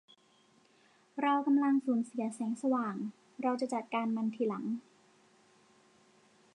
เรากำลังสูญเสียแสงสว่าง เราจะจัดการมันทีหลัง